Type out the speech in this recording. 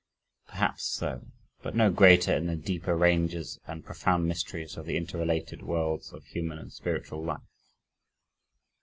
Perhaps so, but no greater in the deeper ranges and profound mysteries of the interrelated worlds of human and spiritual life.